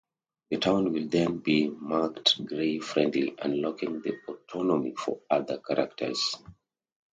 The town will then be marked gay-friendly, unlocking the autonomy for other characters.